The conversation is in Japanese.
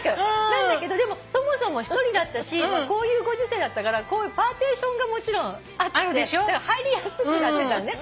なんだけどでもそもそも１人だったしこういうご時勢だったからパーティションがもちろんあって入りやすくなってたのね。